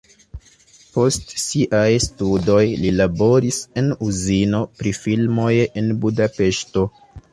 Post siaj studoj li laboris en uzino pri filmoj en Budapeŝto.